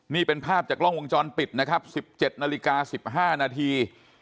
นี่เป็นภาพจากล่องวงจรปิดนะครับสิบเจ็ดนาฬิกาสิบห้านาที